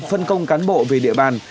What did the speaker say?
phân công cán bộ về địa bàn